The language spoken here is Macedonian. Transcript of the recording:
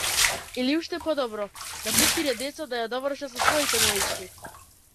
Или уште подобро, да пуштите деца да ја довршат со своите боички.